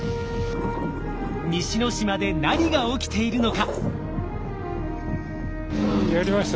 西之島で何が起きているのか？